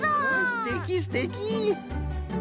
すてきすてき！